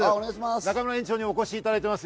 中村園長にお越しいただいています。